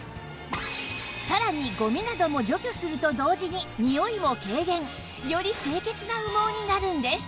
さらにゴミなども除去すると同時ににおいも軽減より清潔な羽毛になるんです